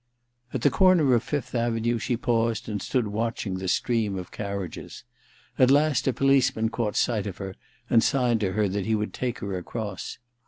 At the corner of Fifth Avenue she paused and stood watching the stream of carriages. At last a policeman caught sight of her and signed to her that he would take her across.